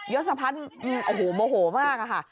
ยศพัฒน์โอ้โหโมโหมากอะค่ะ